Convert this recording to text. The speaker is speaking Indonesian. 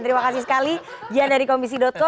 terima kasih sekali gian dari komisi co